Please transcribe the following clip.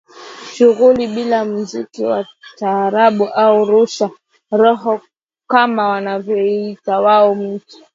Shughuli bila mziki wa taarabu au rusha roho kama wanavyoliita wao mtu